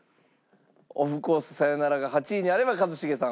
オフコース『さよなら』が８位にあれば一茂さん